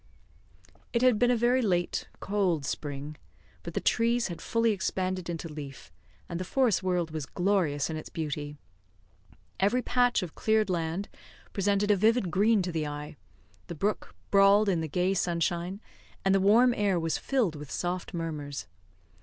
It had been a very late, cold spring, but the trees had fully expanded into leaf, and the forest world was glorious in its beauty. Every patch of cleared land presented a vivid green to the eye; the brook brawled in the gay sunshine, and the warm air was filled with soft murmurs.